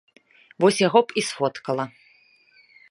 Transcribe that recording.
Вось яго б і сфоткала.